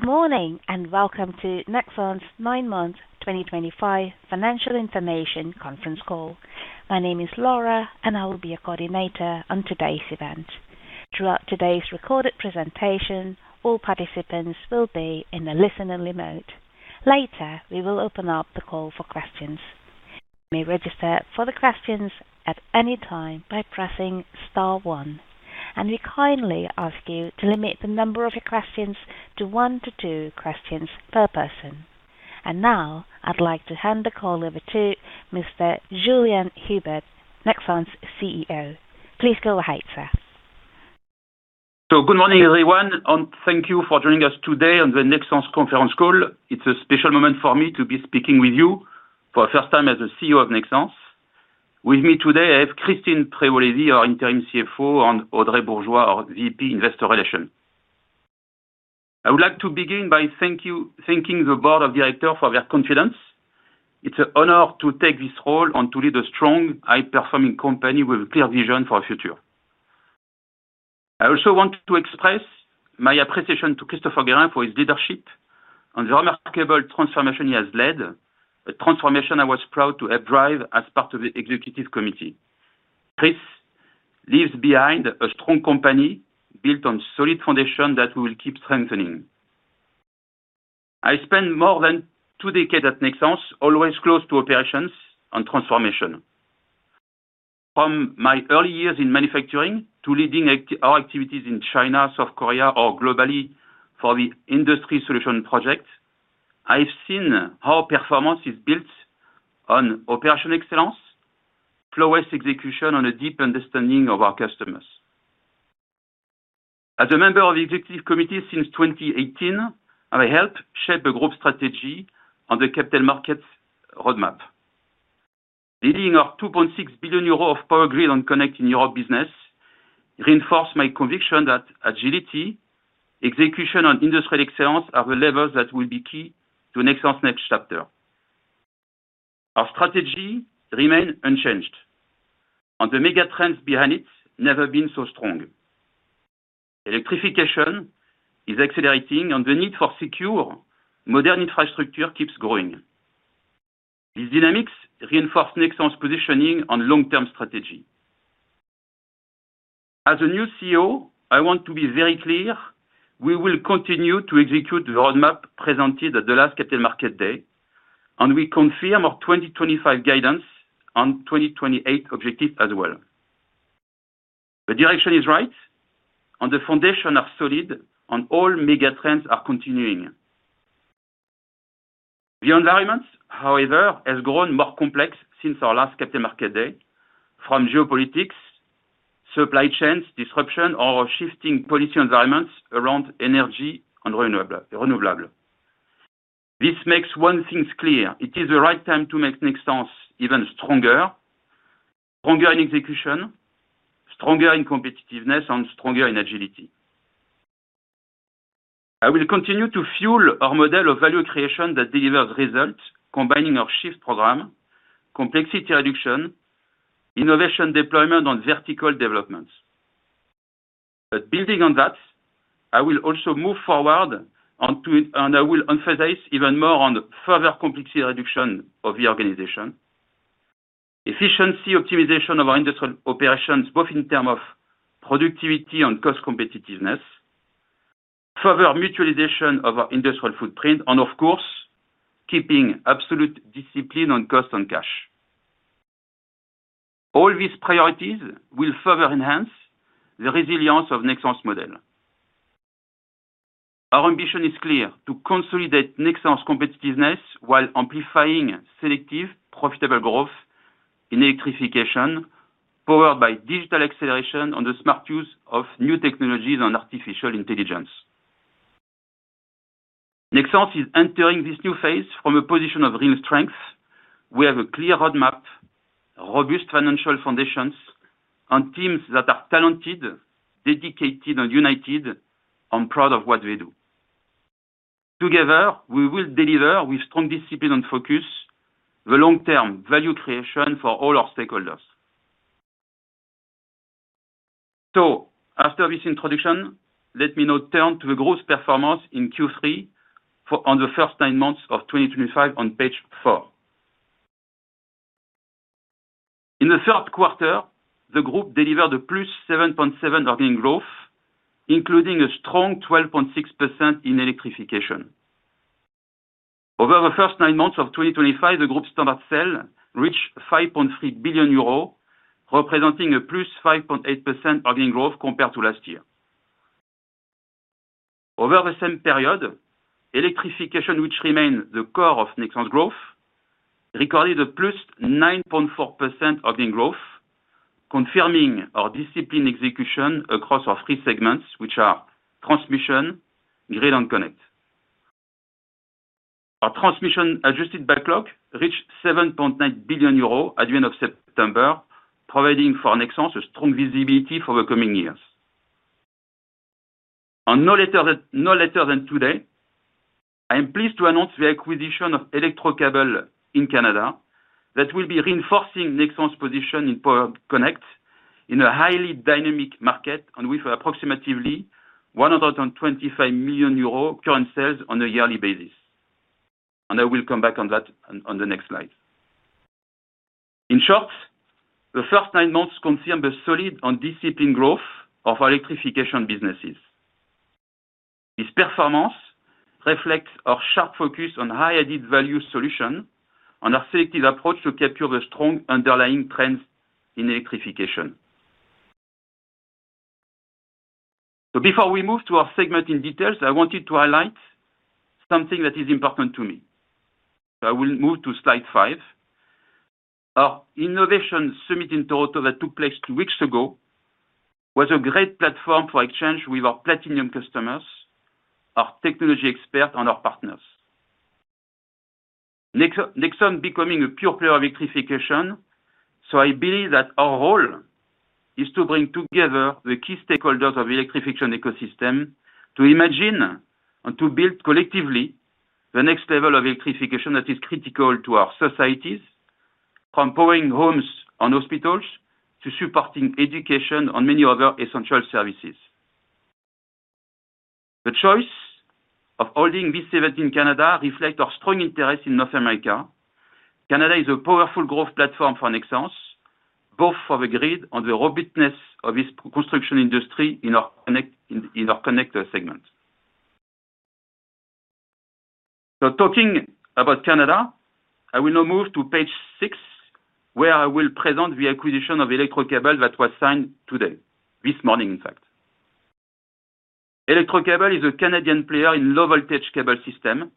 Good morning and welcome to Nexans' nine-month 2025 financial information conference call. My name is Laura, and I will be your coordinator on today's event. Throughout today's recorded presentation, all participants will be in the listener remote. Later, we will open up the call for questions. You may register for the questions at any time by pressing star one. We kindly ask you to limit the number of your questions to one to two questions per person. Now, I'd like to hand the call over to Mr. Julien Hueber, Nexans' CEO. Please go ahead, sir. Good morning, everyone, and thank you for joining us today on the Nexans conference call. It's a special moment for me to be speaking with you for the first time as the CEO of Nexans. With me today, I have Christine Prevolezzi, our Interim CFO, and Audrey Bourgeois, our VP of Investor Relations. I would like to begin by thanking the Board of Directors for their confidence. It's an honor to take this role and to lead a strong, high-performing company with a clear vision for the future. I also want to express my appreciation to Christopher Guérin for his leadership and the remarkable transformation he has led, a transformation I was proud to help drive as part of the Executive Committee. Chris leaves behind a strong company built on a solid foundation that we will keep strengthening. I spent more than two decades at Nexans, always close to operations and transformation. From my early years in manufacturing to leading our activities in China, South Korea, or globally for the industry solution projects, I've seen how performance is built on operational excellence, proactive execution, and a deep understanding of our customers. As a member of the Executive Committee since 2018, I helped shape the group's strategy on the capital markets roadmap. Leading our 2.6 billion euro of power grid and connecting Europe business reinforces my conviction that agility, execution, and industrial excellence are the levers that will be key to Nexans' next chapter. Our strategy remains unchanged, and the megatrends behind it have never been so strong. Electrification is accelerating, and the need for secure, modern infrastructure keeps growing. These dynamics reinforce Nexans' positioning on long-term strategy. As a new CEO, I want to be very clear: we will continue to execute the roadmap presented at the last Capital Markets Day, and we confirm our 2025 guidance and 2028 objectives as well. The direction is right, and the foundations are solid, and all megatrends are continuing. The environment, however, has grown more complex since our last Capital Markets Day, from geopolitics, supply chain disruption, or shifting policy environments around energy and renewables. This makes one thing clear: it is the right time to make Nexans even stronger, stronger in execution, stronger in competitiveness, and stronger in agility. I will continue to fuel our model of value creation that delivers results, combining our Shift Program, complexity reduction, innovation deployment, and vertical developments. Building on that, I will also move forward, and I will emphasize even more on further complexity reduction of the organization, efficiency optimization of our industrial operations, both in terms of productivity and cost competitiveness, further mutualization of our industrial footprint, and of course, keeping absolute discipline on cost and cash. All these priorities will further enhance the resilience of Nexans' model. Our ambition is clear: to consolidate Nexans' competitiveness while amplifying selective, profitable growth in electrification, powered by digital acceleration and the smart use of new technologies and artificial intelligence. Nexans is entering this new phase from a position of real strength. We have a clear roadmap, robust financial foundations, and teams that are talented, dedicated, and united, and proud of what they do. Together, we will deliver with strong discipline and focus the long-term value creation for all our stakeholders. After this introduction, let me now turn to the group's performance in Q3 on the first nine months of 2025, on page four. In the third quarter, the group delivered a +7.7% organic growth, including a strong 12.6% in electrification. Over the first nine months of 2025, the group's standard sale reached 5.3 billion euros, representing a +5.8% organic growth compared to last year. Over the same period, electrification, which remains the core of Nexans' growth, recorded a +9.4% organic growth, confirming our disciplined execution across our three segments, which are transmission, grid, and connect. Our transmission-adjusted backlog reached 7.9 billion euros at the end of September, providing for Nexans a strong visibility for the coming years. No later than today, I am pleased to announce the acquisition of ElectroCable in Canada that will be reinforcing Nexans' position in power connect in a highly dynamic market and with approximately 125 million euro current sales on a yearly basis. I will come back on that on the next slide. In short, the first nine months confirmed a solid and disciplined growth of our electrification businesses. This performance reflects our sharp focus on high-added value solutions and our selective approach to capture the strong underlying trends in electrification. Before we move to our segment in detail, I wanted to highlight something that is important to me. I will move to slide five. Our innovation summit in Toronto that took place two weeks ago was a great platform for exchange with our Platinum customers, our technology experts, and our partners. Nexans is becoming a pure player in electrification. I believe that our role is to bring together the key stakeholders of the electrification ecosystem to imagine and to build collectively the next level of electrification that is critical to our societies, from powering homes and hospitals to supporting education and many other essential services. The choice of holding this event in Canada reflects our strong interest in North America. Canada is a powerful growth platform for Nexans, both for the grid and the robustness of its construction industry in our connect segment. Talking about Canada, I will now move to page six, where I will present the acquisition of ElectroCable that was signed today, this morning, in fact. ElectroCable is a Canadian player in low-voltage cable systems,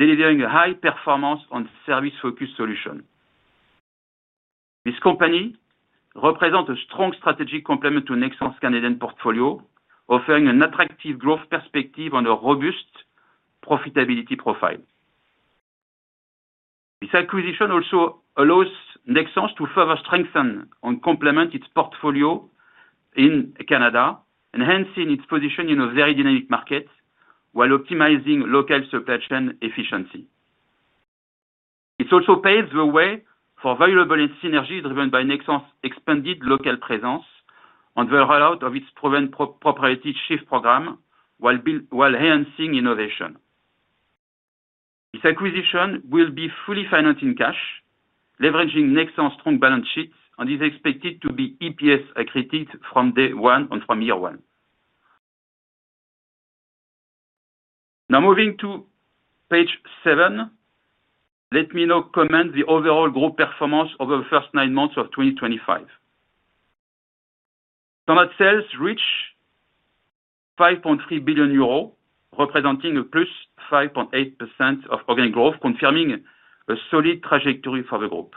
delivering a high-performance and service-focused solution. This company represents a strong strategic complement to Nexans' Canadian portfolio, offering an attractive growth perspective and a robust profitability profile. This acquisition also allows Nexans to further strengthen and complement its portfolio in Canada, enhancing its position in a very dynamic market while optimizing local supply chain efficiency. It also paves the way for valuable synergy driven by Nexans' expanded local presence and the rollout of its proven proprietary Shift Program while enhancing innovation. This acquisition will be fully financed in cash, leveraging Nexans' strong balance sheet, and is expected to be EPS accretive from day one and from year one. Now moving to page seven, let me now comment on the overall group performance over the first nine months of 2025. Standard sales reached 5.3 billion euros, representing a +5.8% of organic growth, confirming a solid trajectory for the group.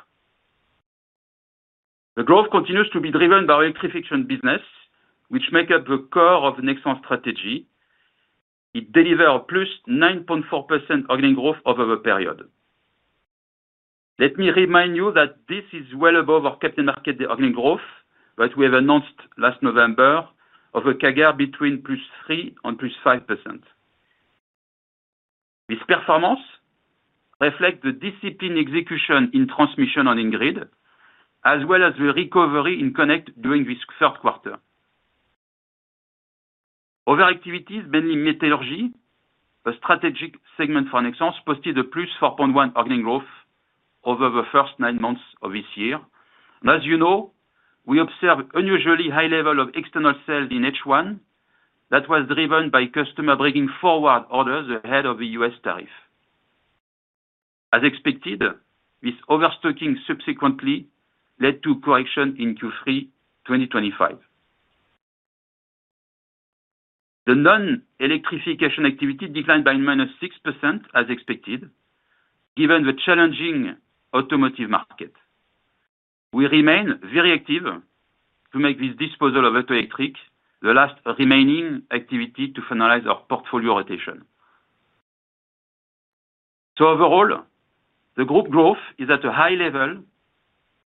The growth continues to be driven by the electrification business, which makes up the core of Nexans' strategy. It delivered a +9.4% organic growth over the period. Let me remind you that this is well above our Capital Markets Day organic growth that we announced last November, of a CAGR between +3% and +5%. This performance reflects the disciplined execution in transmission and in grid, as well as the recovery in connect during this third quarter. Other activities, mainly metallurgy, a strategic segment for Nexans, posted a +4.1% organic growth over the first nine months of this year. As you know, we observed an unusually high level of external sales in H1 that was driven by customers bringing forward orders ahead of the U.S. tariff. As expected, this overstocking subsequently led to a correction in Q3 2025. The non-electrification activity declined by -6%, as expected, given the challenging automotive market. We remain very active to make this disposal of auto electric the last remaining activity to finalize our portfolio rotation. Overall, the group growth is at a high level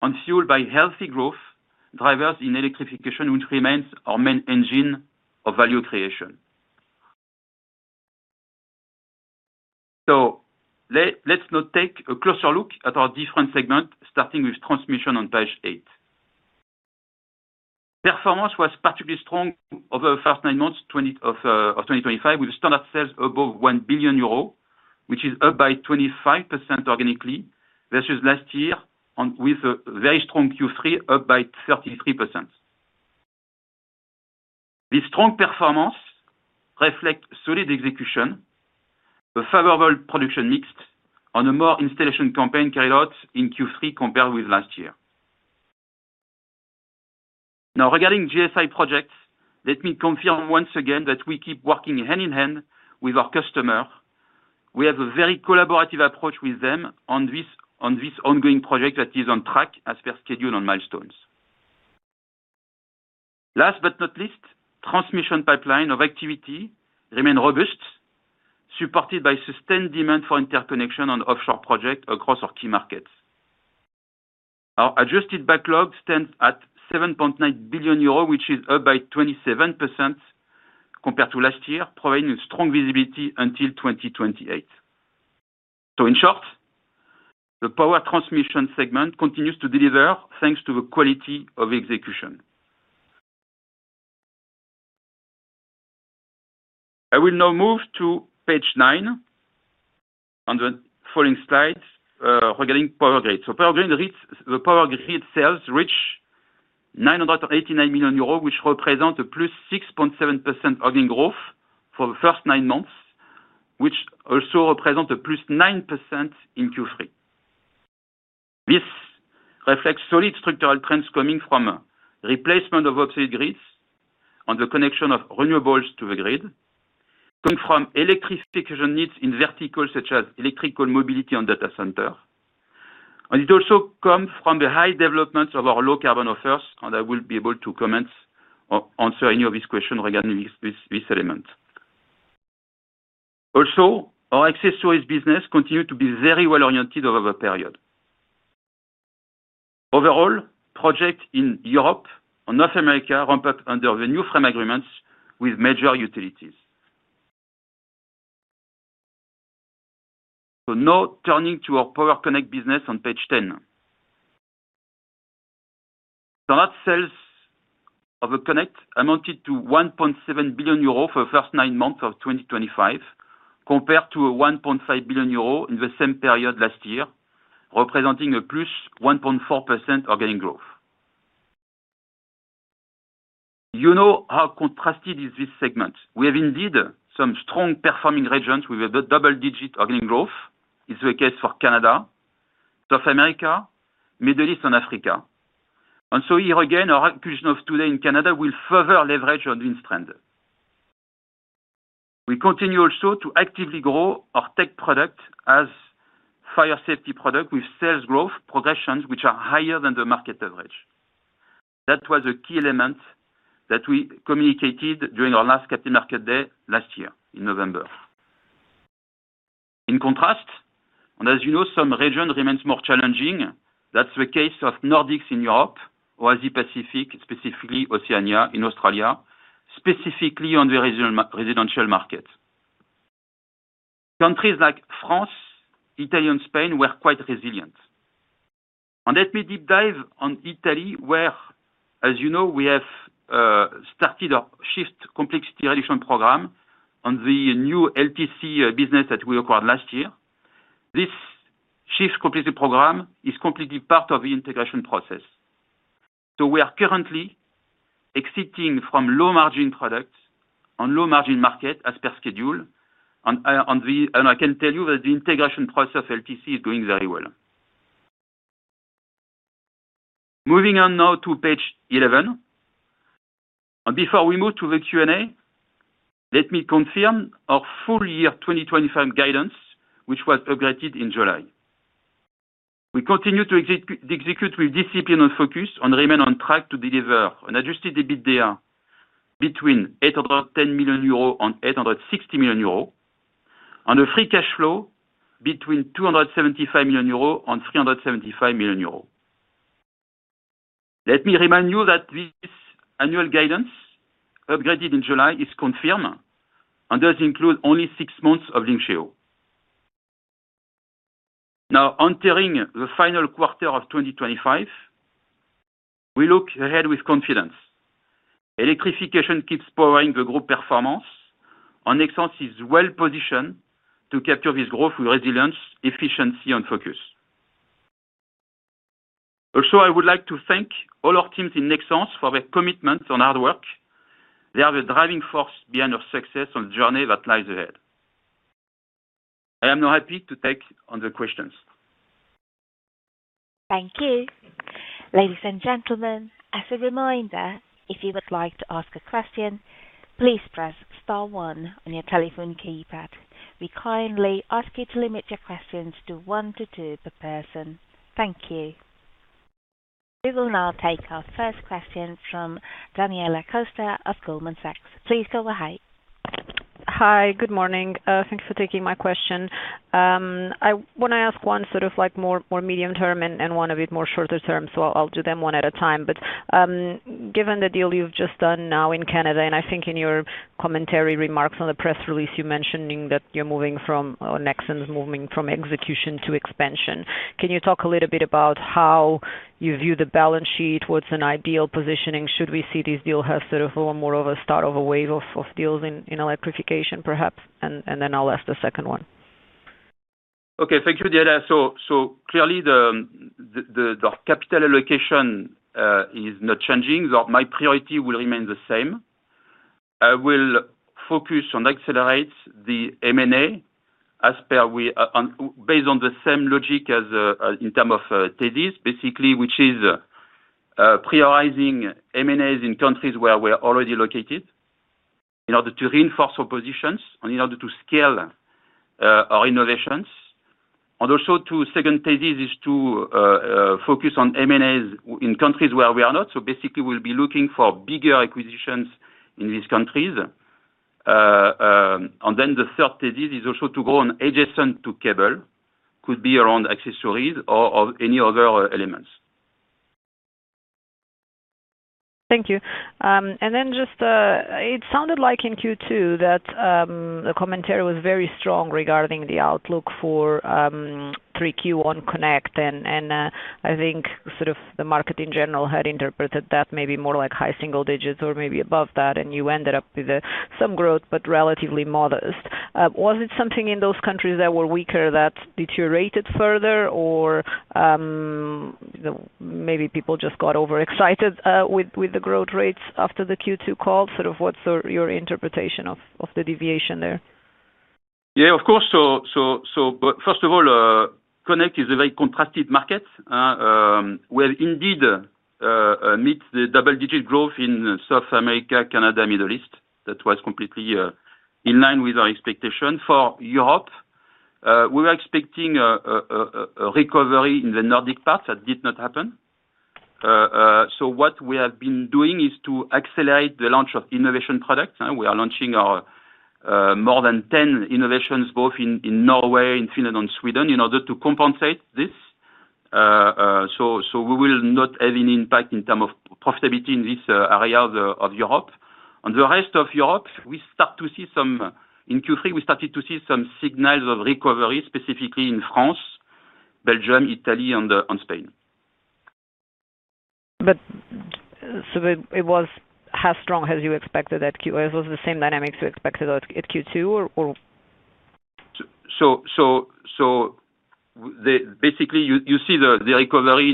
and fueled by healthy growth drivers in electrification, which remains our main engine of value creation. Let's now take a closer look at our different segments, starting with transmission on page eight. Performance was particularly strong over the first nine months of 2025, with standard sales above 1 billion euro, which is up by 25% organically versus last year, and with a very strong Q3, up by 33%. This strong performance reflects solid execution, a favorable production mix, and a more installation campaign carried out in Q3 compared with last year. Now, regarding the GSI Project, let me confirm once again that we keep working hand in hand with our customers. We have a very collaborative approach with them on this ongoing project that is on track as per scheduled milestones. Last but not least, the transmission pipeline of activity remains robust, supported by sustained demand for interconnection and offshore projects across our key markets. Our adjusted backlog stands at 7.9 billion euros, which is up by 27% compared to last year, providing a strong visibility until 2028. In short, the power transmission segment continues to deliver thanks to the quality of execution. I will now move to page nine on the following slide regarding power grid. Power grid sales reached 989 million euros, which represents a +6.7% organic growth for the first nine months, which also represents a +9% in Q3. This reflects solid structural trends coming from the replacement of obsolete grids and the connection of renewables to the grid, coming from electrification needs in verticals such as electrical mobility and data centers. It also comes from the high development of our low-carbon offers. I will be able to comment or answer any of these questions regarding this element. Our accessories business continues to be very well oriented over the period. Overall, projects in Europe and North America are under the new frame agreements with major utilities. Now turning to our power connect business on page ten. Standard sales of a connect amounted to 1.7 billion euros for the first nine months of 2025, compared to 1.5 billion euros in the same period last year, representing a +1.4% organic growth. You know how contrasted this segment is. We have indeed some strong-performing regions with a double-digit organic growth. It is the case for Canada, North America, the Middle East, and Africa. Here again, our acquisition of today in Canada will further leverage this trend. We continue to actively grow our tech product as a fire safety product with sales growth progressions which are higher than the market average. That was a key element that we communicated during our last Capital Markets Day last year in November. In contrast, as you know, some regions remain more challenging. That is the case of the Nordics in Europe or Asia-Pacific, specifically Oceania in Australia, specifically on the residential market. Countries like France, Italy, and Spain were quite resilient. Let me deep dive on Italy, where, as you know, we have started our Shift complexity reduction program on the new LTC business that we acquired last year. This Shift complexity program is completely part of the integration process. We are currently exiting from low-margin products and low-margin markets as per schedule. I can tell you that the integration process of LTC is going very well. Moving on now to page 11. Before we move to the Q&A, let me confirm our full year 2025 guidance, which was updated in July. We continue to execute with discipline and focus and remain on track to deliver an adjusted EBITDA between 810 million euros and 860 million euros, and a free cash flow between 275 million euros and 375 million euros. Let me remind you that this annual guidance upgraded in July is confirmed and does include only six months of LinkShare. Now, entering the final quarter of 2025, we look ahead with confidence. Electrification keeps powering the group performance, and Nexans is well positioned to capture this growth with resilience, efficiency, and focus. Also, I would like to thank all our teams in Nexans for their commitment and hard work. They are the driving force behind our success on the journey that lies ahead. I am now happy to take on the questions. Thank you. Ladies and gentlemen, as a reminder, if you would like to ask a question, please press star one on your telephone keypad. We kindly ask you to limit your questions to one to two per person. Thank you. We will now take our first question from Daniela Costa of Goldman Sachs. Please go ahead. Hi. Good morning. Thanks for taking my question. I want to ask one more medium term and one a bit more shorter term, so I'll do them one at a time. Given the deal you've just done now in Canada, and I think in your commentary remarks on the press release, you mentioned that you're moving from, or Nexans is moving from execution to expansion. Can you talk a little bit about how you view the balance sheet? What's an ideal positioning? Should we see this deal have more of a start of a wave of deals in electrification, perhaps? I'll ask the second one. Thank you, Daniela. Clearly, the capital allocation is not changing. My priority will remain the same. I will focus on accelerating the M&A as per we based on the same logic as in terms of TEDIs, basically, which is prioritizing M&As in countries where we are already located in order to reinforce our positions and in order to scale our innovations. The second TEDI is to focus on M&As in countries where we are not. Basically, we'll be looking for bigger acquisitions in these countries. The third TEDI is also to grow adjacent to cable, could be around accessories or any other elements. Thank you. It sounded like in Q2 the commentary was very strong regarding the outlook for Q3 connect, and I think the market in general had interpreted that maybe more like high single digits or maybe above that, and you ended up with some growth but relatively modest. Was it something in those countries that were weaker that deteriorated further, or maybe people just got overexcited with the growth rates after the Q2 call? What's your interpretation of the deviation there? Of course. First of all, connect is a very contrasted market. We have indeed met the double-digit growth in South America, Canada, and the Middle East. That was completely in line with our expectation. For Europe, we were expecting a recovery in the Nordic parts. That did not happen. What we have been doing is to accelerate the launch of innovation products. We are launching more than 10 innovations, both in Norway, in Finland, and Sweden, in order to compensate this. We will not have any impact in terms of profitability in this area of Europe. In the rest of Europe, we started to see some signals of recovery in Q3, specifically in France, Belgium, Italy, and Spain. Was it as strong as you expected at Q2? Was it the same dynamics you expected at Q2? You see the recovery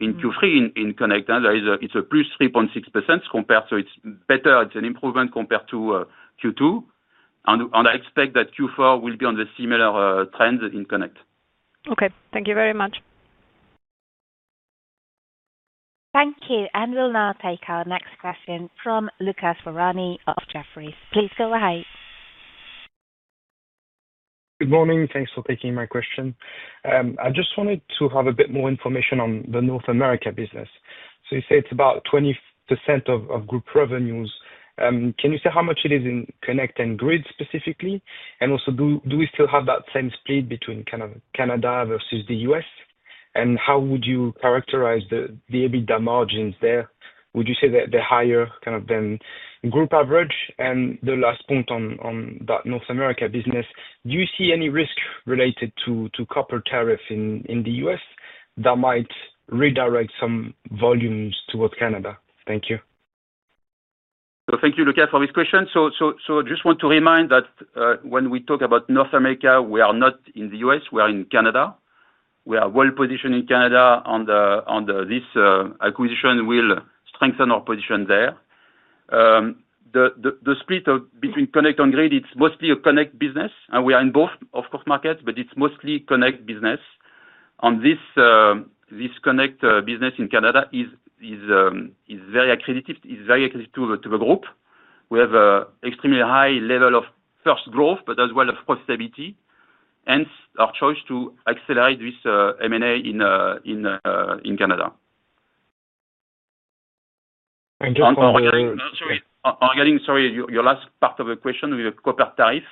in Q3 in the connect segment. It's a +3.6% compared, so it's better. It's an improvement compared to Q2. I expect that Q4 will be on similar trends in connect. Okay, thank you very much. Thank you. We'll now take our next question from Lucas Varani of Jefferies. Please go ahead. Good morning. Thanks for taking my question. I just wanted to have a bit more information on the North America business. You say it's about 20% of group revenues. Can you say how much it is in connect and grid specifically? Do we still have that same split between kind of Canada versus the U.S.? How would you characterize the EBITDA margins there? Would you say that they're higher than group average? The last point on that North America business, do you see any risk related to copper tariff in the U.S. that might redirect some volumes towards Canada? Thank you. Thank you, Lucas, for this question. I just want to remind that when we talk about North America, we are not in the U.S. We are in Canada. We are well positioned in Canada, and this acquisition will strengthen our position there. The split between connect and grid, it's mostly a connect business. We are in both, of course, markets, but it's mostly a connect business. This connect business in Canada is very accredited to the group. We have an extremely high level of first growth, but as well of profitability. Hence, our choice to accelerate this M&A in Canada. Sorry, your last part of the question with the copper tariff.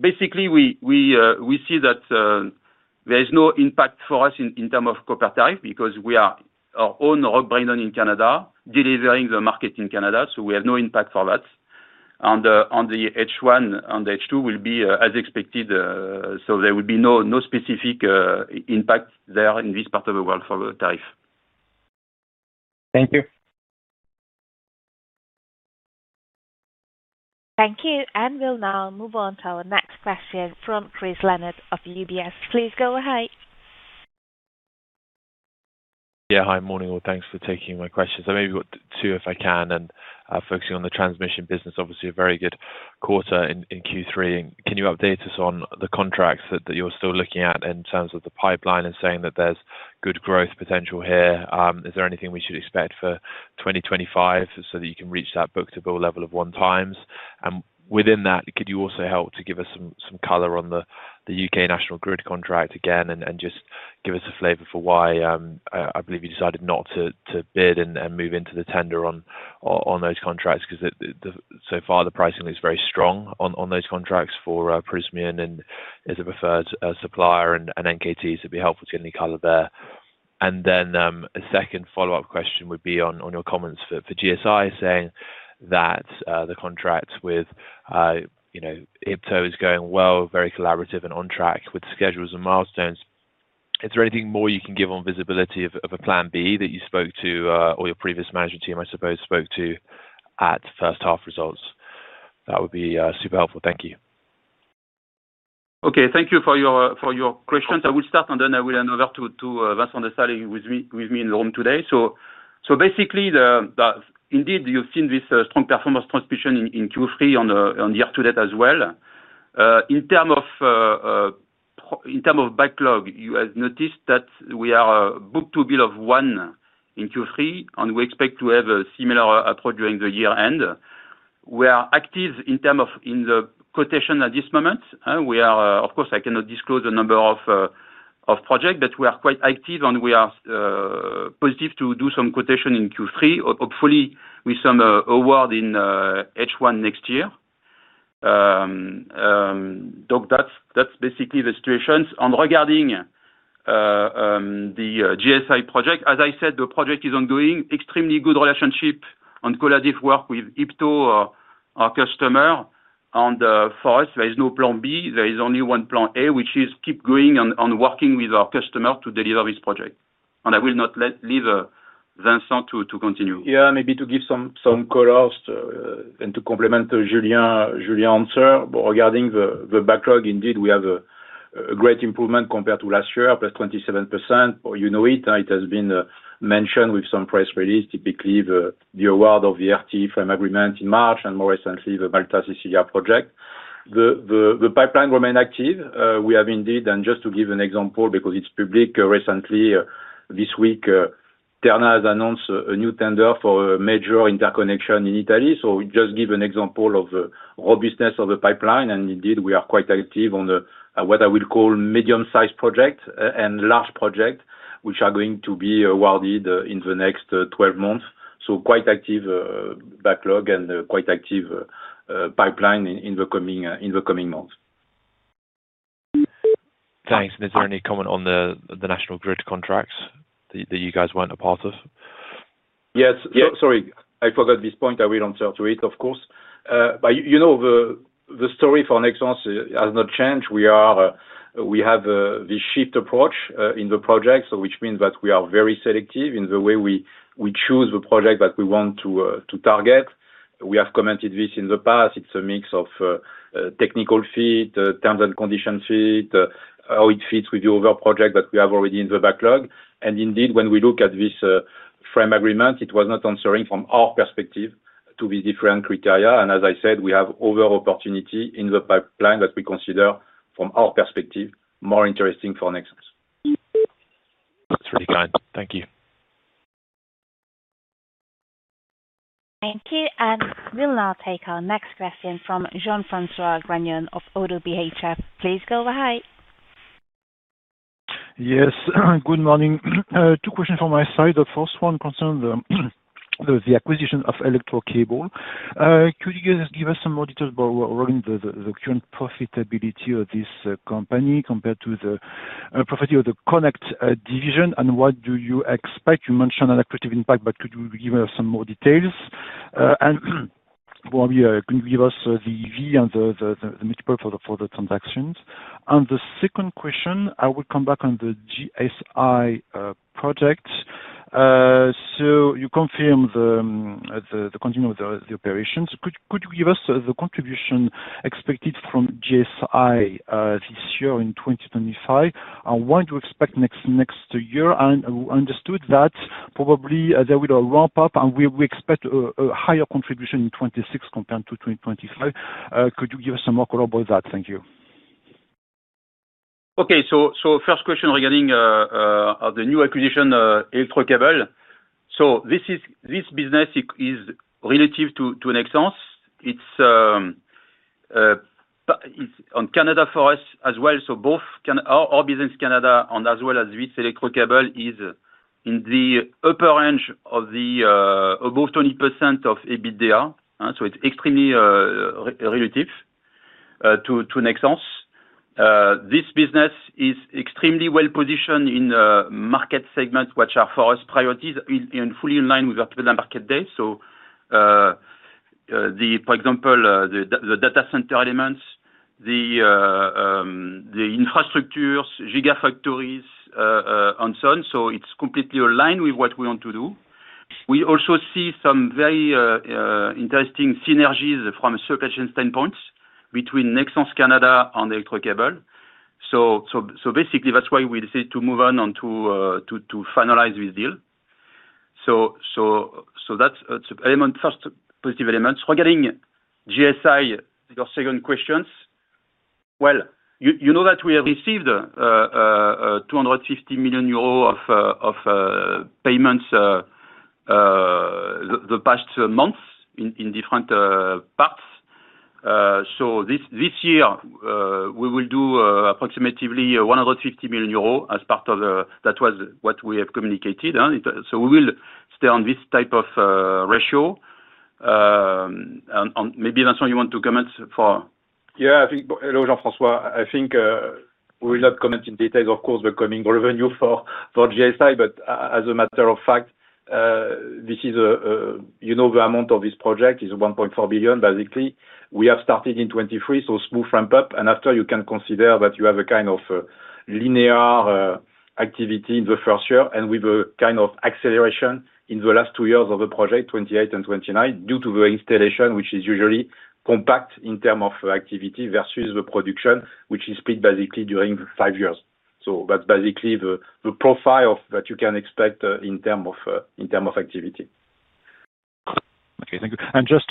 Basically, we see that there is no impact for us in terms of copper tariff because we are our own ElectroCable in Canada delivering the market in Canada. We have no impact for that, and the H1 and the H2 will be as expected. There will be no specific impact there in this part of the world for the tariff. Thank you. Thank you. We'll now move on to our next question from Chris Leonard of UBS. Please go ahead. Hi. Morning or thanks for taking my questions. I maybe got two if I can. Focusing on the transmission business, obviously a very good quarter in Q3. Can you update us on the contracts that you're still looking at in terms of the pipeline and saying that there's good growth potential here? Is there anything we should expect for 2025 so that you can reach that book-to-book level of one times? Within that, could you also help to give us some color on the UK national grid contract again and just give us a flavor for why I believe you decided not to bid and move into the tender on those contracts? Because so far, the pricing looks very strong on those contracts for Prysmian and as a preferred supplier. NKT, it would be helpful to get any color there. A second follow-up question would be on your comments for GSI saying that the contract with IPTO is going well, very collaborative and on track with schedules and milestones. Is there anything more you can give on visibility of a plan B that you spoke to or your previous management team, I suppose, spoke to at first half results? That would be super helpful. Thank you. Okay. Thank you for your questions. I will start, and then I will hand over to Vincent Dessale with me in the room today. Basically, indeed, you've seen this strong performance transmission in Q3 and the year-to-date as well. In terms of backlog, you have noticed that we are booked to a bill of one in Q3, and we expect to have a similar approach during the year-end. We are active in terms of the quotation at this moment. Of course, I cannot disclose the number of projects, but we are quite active, and we are positive to do some quotation in Q3, hopefully with some award in H1 next year. That's basically the situation. Regarding the GSI Project, as I said, the project is ongoing. Extremely good relationship and collaborative work with IPTO, our customer. For us, there is no plan B. There is only one plan A, which is keep going and working with our customer to deliver this project. I will now leave Vincent to continue. Yeah, maybe to give some color and to complement Julien's answer regarding the backlog, indeed, we have a great improvement compared to last year, plus 27%. You know it. It has been mentioned with some press release, typically the award of the ERT frame agreement in March and more recently the Malta-Sicilia project. The pipeline remains active. We have indeed, and just to give an example, because it's public recently, this week, TERNA has announced a new tender for a major interconnection in Italy. Just to give an example of the robustness of the pipeline, indeed, we are quite active on what I will call medium-sized projects and large projects, which are going to be awarded in the next 12 months. Quite active backlog and quite active pipeline in the coming months. Is there any comment on the National grid contracts that you guys weren't a part of? Yes. Sorry, I forgot this point. I will answer to it, of course. You know the story for Nexans has not changed. We have this Shift approach in the projects, which means that we are very selective in the way we choose the projects that we want to target. We have commented this in the past. It's a mix of technical fit, terms and conditions fit, how it fits with the other projects that we have already in the backlog. Indeed, when we look at this frame agreement, it was not answering from our perspective to these different criteria. As I said, we have other opportunities in the pipeline that we consider, from our perspective, more interesting for Nexans. That's really kind. Thank you. Thank you. We'll now take our next question from Jean-François Grenion of Audubon HR. Please go ahead. Yes. Good morning. Two questions from my side. The first one concerns the acquisition of ElectroCable. Could you give us some more details regarding the current profitability of this company compared to the profitability of the connect segment, and what do you expect? You mentioned an acquisitive impact, but could you give us some more details? Could you give us the EV and the multiple for the transactions? The second question, I will come back on the GSI Project. You confirmed the continuum of the operations. Could you give us the contribution expected from GSI this year in 2025 and what you expect next year? I understood that probably there will be a ramp-up, and we expect a higher contribution in 2026 compared to 2025. Could you give us some more color about that? Thank you. Okay. First question regarding the new acquisition, ElectroCable. This business is relative to Nexans. It's in Canada for us as well. Both our business in Canada and with ElectroCable is in the upper range of both 20% of EBITDA. It's extremely relative to Nexans. This business is extremely well positioned in the market segments, which are for us priorities and fully in line with our Capital Markets Day. For example, the data center elements, the infrastructures, gigafactories, and so on. It's completely aligned with what we want to do. We also see some very interesting synergies from a surplus standpoint between Nexans Canada and ElectroCable. Basically, that's why we decided to move on and to finalize this deal. That's the first positive element. Regarding GSI, your second question, you know that we have received 250 million euros of payments the past month in different parts. This year, we will do approximately 150 million euros as part of that, which was what we have communicated. We will stay on this type of ratio. Maybe, Vincent, you want to comment for? Yeah. I think, hello, Jean-François. I think we will not comment in detail, of course, the coming revenue for the GSI Project. As a matter of fact, the amount of this project is $1.4 billion, basically. We have started in 2023, so a smooth ramp-up. You can consider that you have a kind of linear activity in the first year, with a kind of acceleration in the last two years of the project, 2028 and 2029, due to the installation, which is usually compact in terms of activity versus the production, which is split basically during five years. That's basically the profile that you can expect in terms of activity. Okay. Thank you. Just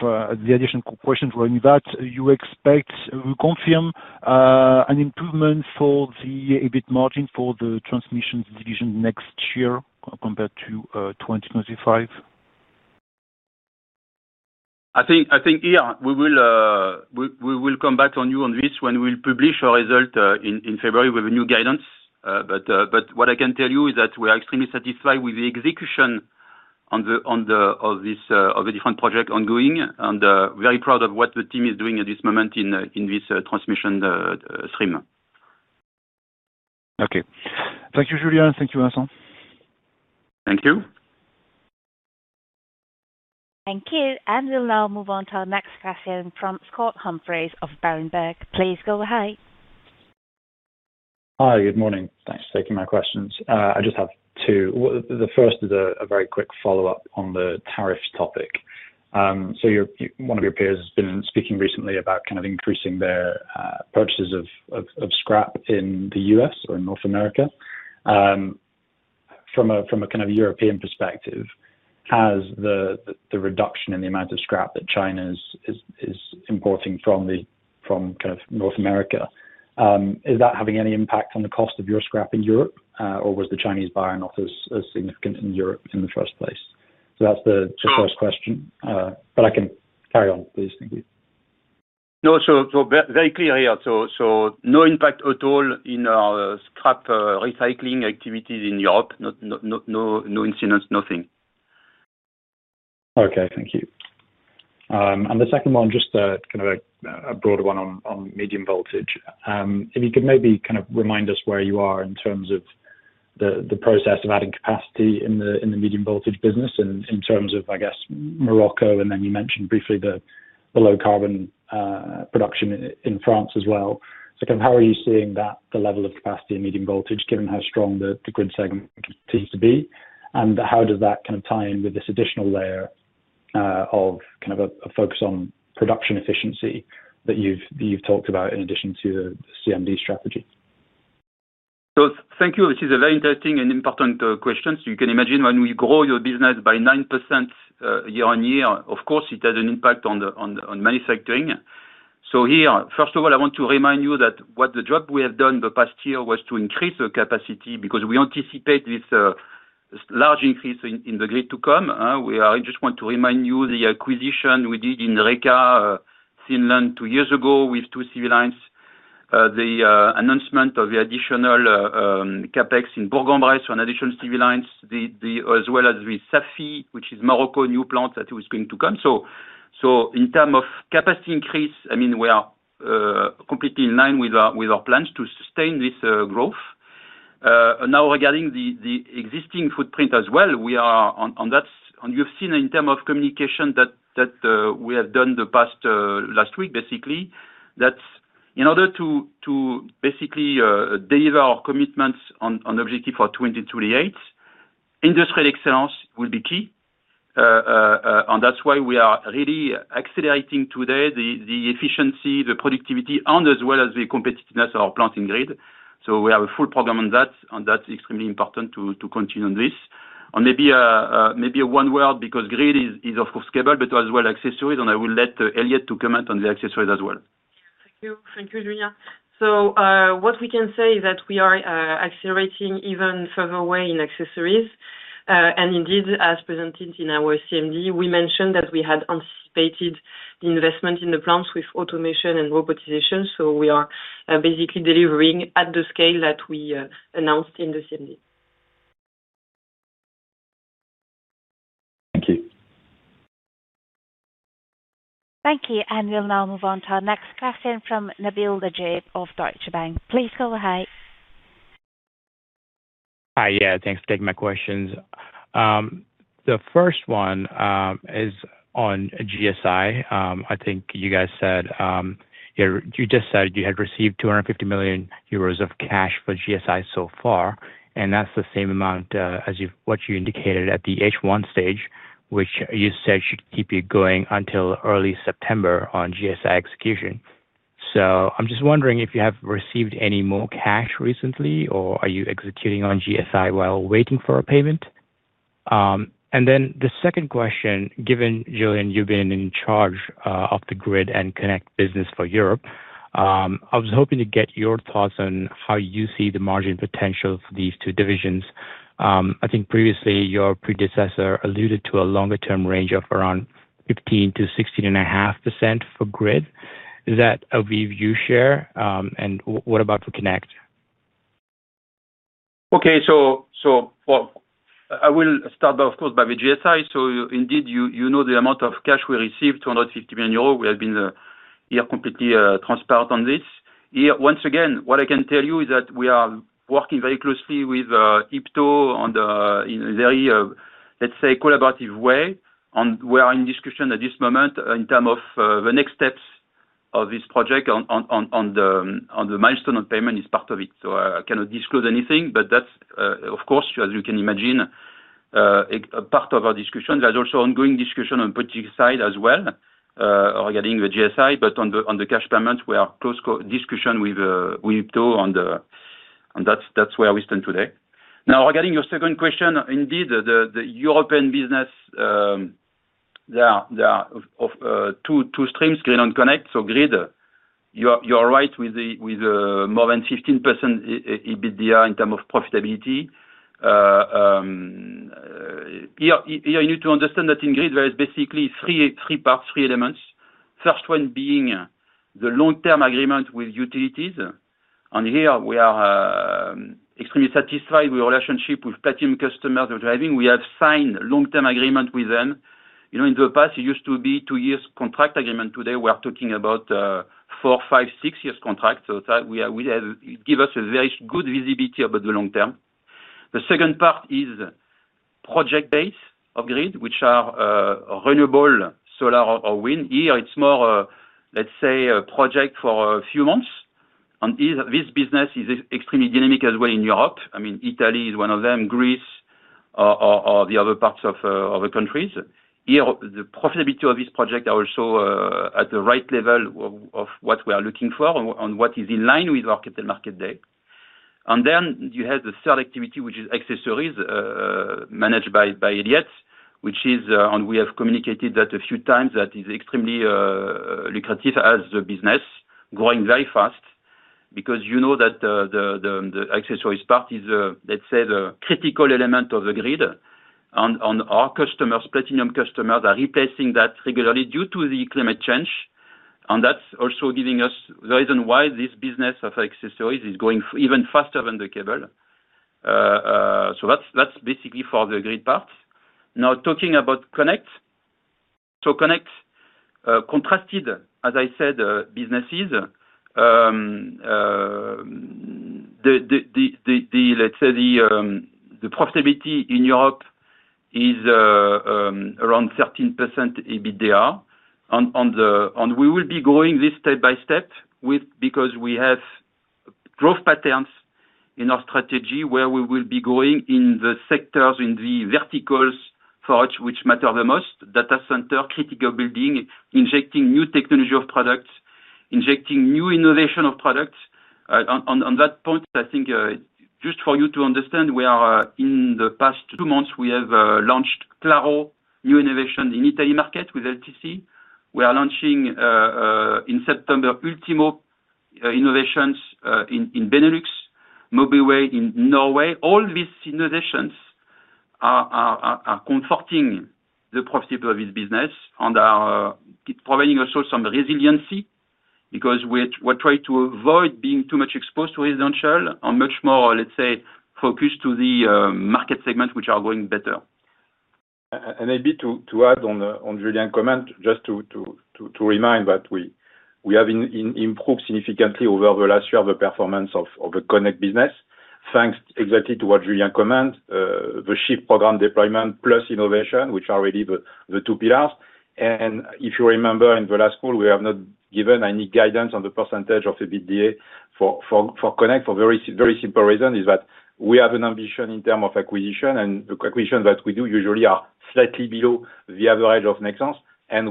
for the additional question regarding that, you expect you confirm an improvement for the EBIT margin for the transmission segment next year compared to 2025? I think we will come back on you on this when we'll publish a result in February with a new guidance. What I can tell you is that we are extremely satisfied with the execution of the different projects ongoing and very proud of what the team is doing at this moment in this transmission stream. Okay. Thank you, Julien. Thank you, Vincent. Thank you. Thank you. We'll now move on to our next question from Scott Humphries of Berenberg. Please go ahead. Hi. Good morning. Thanks for taking my questions. I just have two. The first is a very quick follow-up on the tariffs topic. One of your peers has been speaking recently about increasing their purchases of scrap in the U.S. or in North America. From a European perspective, has the reduction in the amount of scrap that China is importing from North America, is that having any impact on the cost of your scrap in Europe, or was the Chinese buying not as significant in Europe in the first place? That's the first question. I can carry on, please. Thank you. No impact at all in our scrap recycling activities in Europe. No incidents, nothing. Thank you. The second one, just a kind of a broader one on medium voltage. If you could maybe kind of remind us where you are in terms of the process of adding capacity in the medium voltage business in terms of, I guess, Morocco, and then you mentioned briefly the low-carbon production in France as well. How are you seeing that the level of capacity in medium voltage, given how strong the grid segment seems to be? How does that tie in with this additional layer of kind of a focus on production efficiency that you've talked about in addition to the CMD strategy? Thank you. This is a very interesting and important question. You can imagine when we grow your business by 9% year on year, of course, it has an impact on manufacturing. First of all, I want to remind you that what the job we have done in the past year was to increase the capacity because we anticipate this large increase in the grid to come. I just want to remind you the acquisition we did in Reka, Finland, two years ago with two civilians, the announcement of the additional CapEx in Bourg-en-Bresse, an additional civilians, as well as with Safi, which is a Morocco new plant that was going to come. In terms of capacity increase, we are completely in line with our plans to sustain this growth. Now, regarding the existing footprint as well, we are on that. You've seen in terms of communication that we have done the past last week, basically, that in order to basically deliver our commitments on the objective for 2028, industrial excellence will be key. That's why we are really accelerating today the efficiency, the productivity, and as well as the competitiveness of our plant and grid. We have a full program on that. That's extremely important to continue on this. Maybe one word, because grid is, of course, cable, but as well as accessories. I will let Elyette comment on the accessories as well. Thank you. Thank you, Julien. What we can say is that we are accelerating even further away in accessories. Indeed, as presented in our CMD, we mentioned that we had anticipated the investment in the plants with automation and robotization. We are basically delivering at the scale that we announced in the CMD. Thank you. Thank you. We'll now move on to our next question from Nabil Najeeb of Deutsche Bank. Please go ahead. Hi. Thanks for taking my questions. The first one is on GSI. I think you guys said you just said you had received 250 million euros of cash for GSI so far. That's the same amount as what you indicated at the H1 stage, which you said should keep you going until early September on GSI execution. I'm just wondering if you have received any more cash recently, or are you executing on GSI while waiting for a payment? The second question, given, Julien, you've been in charge of the grid and connect business for Europe, I was hoping to get your thoughts on how you see the margin potential for these two divisions. I think previously, your predecessor alluded to a longer-term range of around 15% to 16.5% for grid. Is that a view you share? What about for connect? Okay. I will start, of course, with GSI. Indeed, you know the amount of cash we received, 250 million euros. We have been here completely transparent on this. Here, once again, what I can tell you is that we are working very closely with IPTO in a very, let's say, collaborative way. We are in discussion at this moment in terms of the next steps of this project, and the milestone of payment is part of it. I cannot disclose anything, but that's, of course, as you can imagine, a part of our discussion. There is also ongoing discussion on the political side as well regarding the GSI. On the cash payment, we are in close discussion with IPTO, and that's where we stand today. Now, regarding your second question, indeed, the European business, there are two streams, grid and connect. Grid, you are right with more than 15% EBITDA in terms of profitability. Here, you need to understand that in grid, there are basically three parts, three elements. First one being the long-term agreement with utilities. Here, we are extremely satisfied with the relationship with Platinum customers that we're having. We have signed a long-term agreement with them. In the past, it used to be a two-year contract agreement. Today, we are talking about a four, five, six-year contract. It gives us a very good visibility over the long term. The second part is project-based of grid, which are renewable solar or wind. Here, it's more, let's say, a project for a few months. This business is extremely dynamic as well in Europe. Italy is one of them, Greece, or the other parts of the countries. The profitability of this project is also at the right level of what we are looking for and what is in line with our Capital Markets Day. Then you have the third activity, which is accessories, managed by Elyette, which is, and we have communicated that a few times, that is extremely lucrative as a business, growing very fast because you know that the accessories part is, let's say, the critical element of the grid. Our customers, Platinum customers, are replacing that regularly due to the climate change. That's also giving us the reason why this business of accessories is growing even faster than the cable. That's basically for the grid part. Now, talking about connect, connect, contrasted, as I said, businesses, let's say the profitability in Europe is around 13% EBITDA. We will be growing this step by step because we have growth patterns in our strategy where we will be growing in the sectors, in the verticals for us which matter the most: data centers, critical building, injecting new technology of products, injecting new innovation of products. On that point, I think just for you to understand, in the past two months, we have launched Claro, new innovation in the Italian market with LTC. We are launching in September Ultimo innovations in Benelux, MobileWay in Norway. All these innovations are comforting the profitability of this business and are providing also some resiliency because we are trying to avoid being too much exposed to residential and much more, let's say, focused to the market segments which are growing better. Maybe to add on Julien's comment, just to remind that we have improved significantly over the last year the performance of the connect business, thanks exactly to what Julien commented, the Shift Program deployment plus innovation, which are really the two pillars. If you remember in the last call, we have not given any guidance on the % of EBITDA for connect for very simple reasons, which is that we have an ambition in terms of acquisition. Acquisitions that we do usually are slightly below the average of Nexans.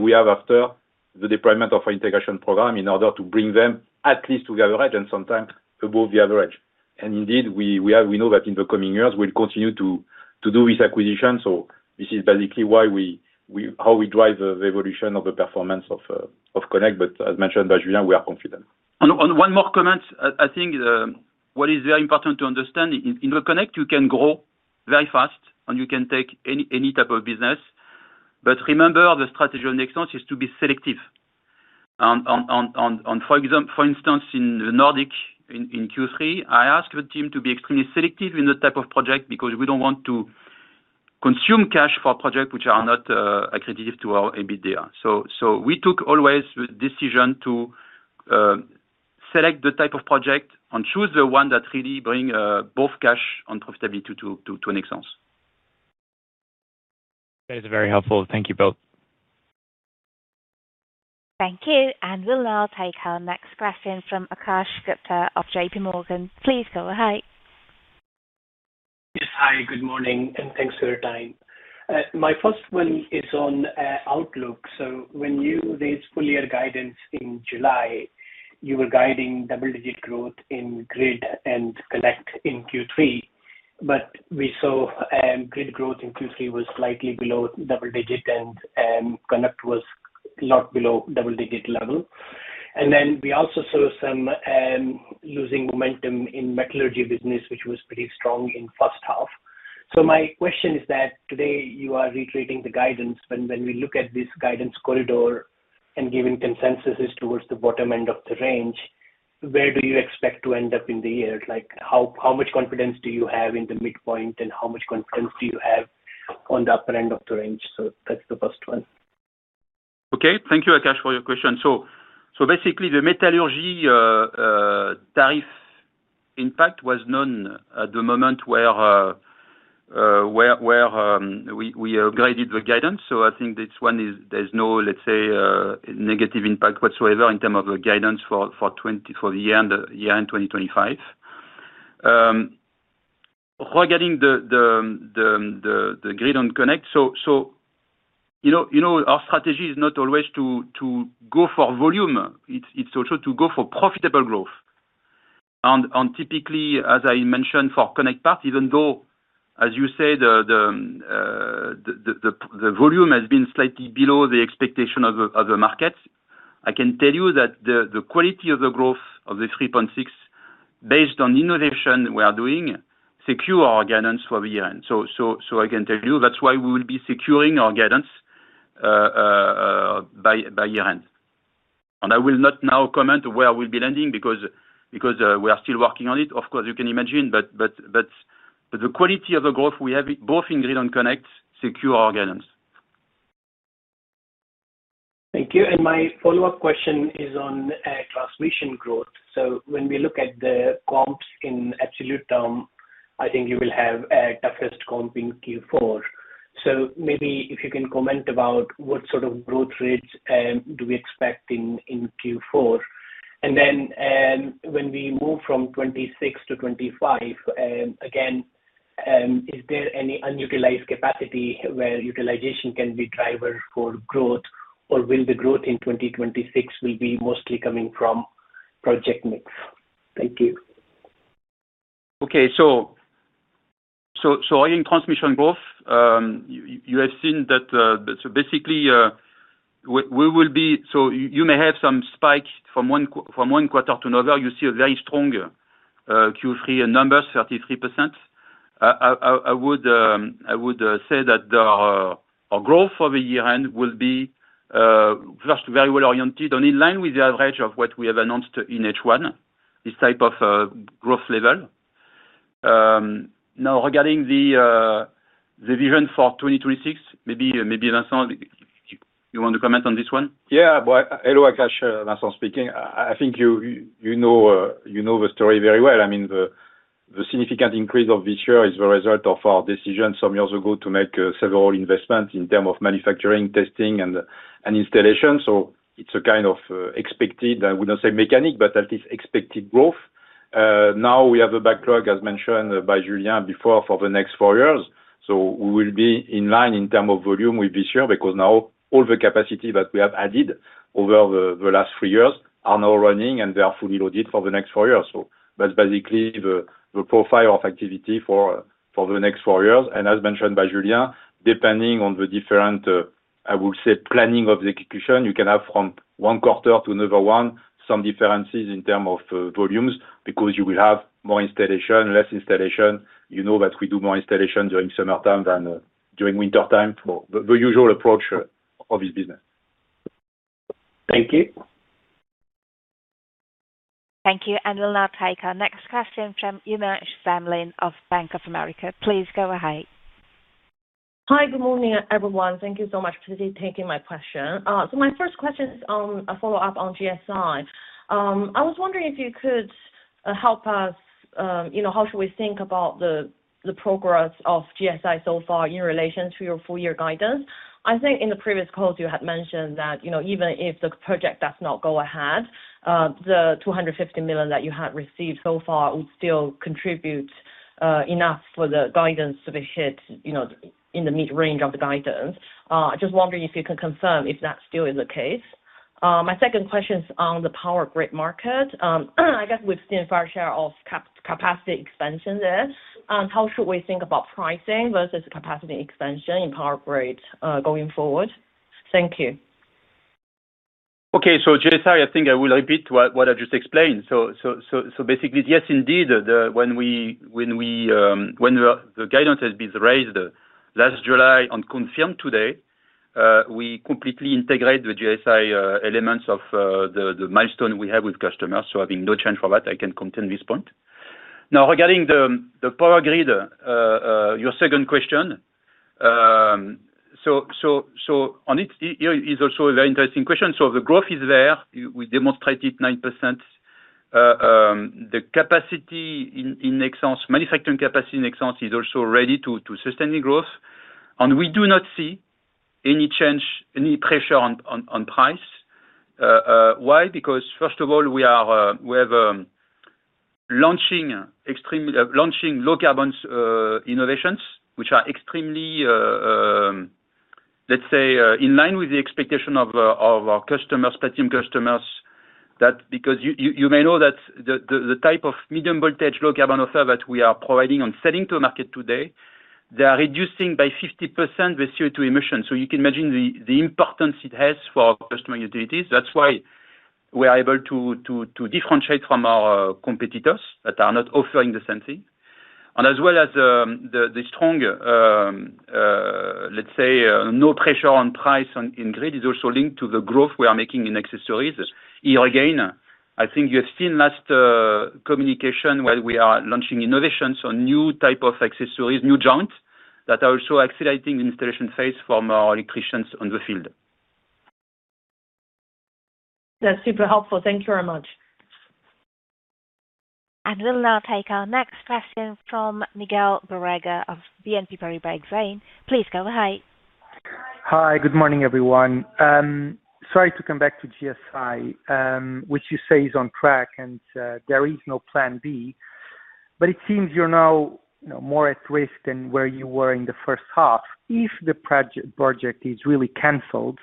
We have, after the deployment of our integration program, in order to bring them at least to the average and sometimes above the average. Indeed, we know that in the coming years, we'll continue to do this acquisition. This is basically how we drive the evolution of the performance of connect. As mentioned by Julien, we are confident. One more comment. I think what is very important to understand, in the connect segment, you can grow very fast, and you can take any type of business. Remember, the strategy of Nexans is to be selective. For instance, in the Nordic region in Q3, I asked the team to be extremely selective in the type of project because we don't want to consume cash for projects which are not accretive to our adjusted EBITDA. We always took the decision to select the type of project and choose the one that really brings both cash and profitability to Nexans. That is very helpful. Thank you both. Thank you. We'll now take our next question from Akash Gupta of JPMorgan. Please go ahead. Yes. Hi. Good morning, and thanks for your time. My first one is on Outlook. When you released full-year guidance in July, you were guiding double-digit growth in grid and connect in Q3. We saw grid growth in Q3 was slightly below double digits, and connect was a lot below double-digit level. We also saw some losing momentum in the metallurgy business, which was pretty strong in the first half. My question is that today you are reiterating the guidance. When we look at this guidance corridor and given consensus is towards the bottom end of the range, where do you expect to end up in the year? How much confidence do you have in the midpoint, and how much confidence do you have on the upper end of the range? That's the first one. Okay. Thank you, Akash, for your question. Basically, the metallurgy tariff impact was known at the moment where we upgraded the guidance. I think this one is there's no, let's say, negative impact whatsoever in terms of the guidance for the year and 2025. Regarding the grid and connect, you know our strategy is not always to go for volume. It's also to go for profitable growth. Typically, as I mentioned for connect parts, even though, as you said, the volume has been slightly below the expectation of the markets, I can tell you that the quality of the growth of the 3.6, based on innovation we are doing, secures our guidance for the year-end. I can tell you that's why we will be securing our guidance by year-end. I will not now comment where we'll be landing because we are still working on it. Of course, you can imagine. The quality of the growth we have, both in grid and connect, secures our guidance. Thank you. My follow-up question is on transmission growth. When we look at the comps in absolute terms, I think you will have the toughest comp in Q4. Could you comment about what sort of growth rates we expect in Q4? When we move from 2026 to 2025, is there any unutilized capacity where utilization can be a driver for growth, or will the growth in 2026 be mostly coming from project mix? Thank you. Okay. In transmission growth, you have seen that basically, you may have some spikes from one quarter to another. You see very strong Q3 numbers, 33%. I would say that our growth for the year-end will be first very well oriented and in line with the average of what we have announced in H1, this type of growth level. Now, regarding the vision for 2026, maybe Vincent, you want to comment on this one? Yeah. Hello, Akash. Vincent speaking. I think you know the story very well. I mean, the significant increase of this year is the result of our decision some years ago to make several investments in terms of manufacturing, testing, and installation. It's a kind of expected, I would not say mechanic, but at least expected growth. Now, we have a backlog, as mentioned by Julien before, for the next four years. We will be in line in terms of volume with this year because now all the capacity that we have added over the last three years are now running, and they are fully loaded for the next four years. That's basically the profile of activity for the next four years. As mentioned by Julien, depending on the different, I will say, planning of the execution, you can have from one quarter to another one some differences in terms of volumes because you will have more installation, less installation. You know that we do more installation during summertime than during wintertime, the usual approach of this business. Thank you. Thank you. We'll now take our next question from Yumach Familin of Bank of America. Please go ahead. Hi. Good morning, everyone. Thank you so much for taking my question. My first question is a follow-up on the GSI Project. I was wondering if you could help us, you know, how should we think about the progress of GSI so far in relation to your full-year guidance? I think in the previous calls, you had mentioned that, you know, even if the project does not go ahead, the $250 million that you have received so far would still contribute enough for the guidance to be hit in the mid-range of the guidance. I'm just wondering if you can confirm if that still is the case. My second question is on the power grid market. I guess we've seen a fair share of capacity expansion there. How should we think about pricing versus capacity expansion in power grid going forward? Thank you. Okay. GSI, I think I will repeat what I just explained. Basically, yes, indeed, when the guidance has been raised last July and confirmed today, we completely integrate the GSI elements of the milestone we have with customers. Having no change for that, I can contend this point. Now, regarding the power grid, your second question, it is also a very interesting question. The growth is there. We demonstrated 9%. The capacity in Nexans, manufacturing capacity in Nexans, is also ready to sustain the growth. We do not see any change, any pressure on price. Why? First of all, we are launching low-carbon innovations, which are extremely, let's say, in line with the expectation of our customers, Platinum customers, because you may know that the type of medium voltage low-carbon offer that we are providing and selling to the market today, they are reducing by 50% the CO2 emissions. You can imagine the importance it has for our customer utilities. That's why we are able to differentiate from our competitors that are not offering the same thing. As well as the strong, let's say, no pressure on price in grid is also linked to the growth we are making in accessories. Here again, I think you have seen last communication where we are launching innovations on new types of accessories, new joints that are also accelerating the installation phase for more electricians on the field. That's super helpful. Thank you very much. We'll now take our next question from Miguel Borrega of BNP Paribas Exane. Please go ahead. Hi. Good morning, everyone. Sorry to come back to GSI, which you say is on track, and there is no plan B. It seems you're now more at risk than where you were in the first half. If the project is really canceled,